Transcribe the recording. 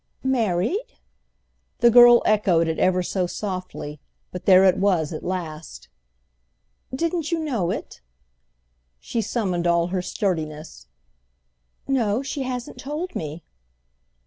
"Married?" The girl echoed it ever so softly, but there it was at last. "Didn't you know it?" She summoned all her sturdiness. "No, she hasn't told me."